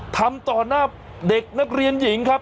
ทำต่อหน้าเด็กนักเรียนหญิงครับ